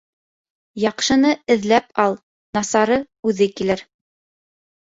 Яҡшыны эҙләп ал, насары үҙе килер.